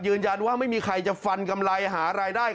ยืนยันว่าไม่มีใครจะฟันกำไรหารายได้